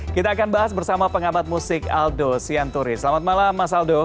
kita akan bahas bersama pengamat musik aldo sianturi selamat malam mas aldo